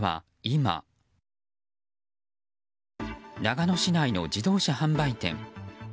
長野市内の自動車販売店。